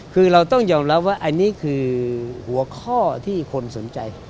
คือเราต้องยอมรับว่าอันนี้คือหัวข้อที่คนสนใจ